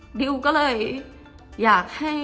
จนดิวไม่แน่ใจว่าความรักที่ดิวได้รักมันคืออะไร